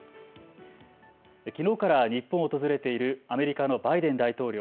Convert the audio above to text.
きのうから日本を訪れているアメリカのバイデン大統領。